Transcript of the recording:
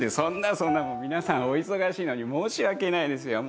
皆さんお忙しいのに申し訳ないですよ。